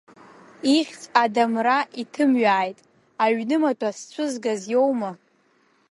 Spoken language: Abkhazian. Ихьӡ адамра иҭымҩааит, аҩнымаҭәа сцәызгаз иоумашь?